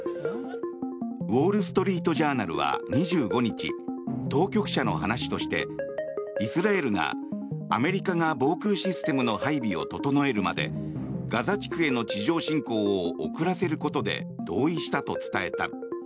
ウォール・ストリート・ジャーナルは２５日当局者の話としてイスラエルがアメリカが防空システムの配備を整えるまでガザ地区への地上侵攻を遅らせることで同意したと伝えた。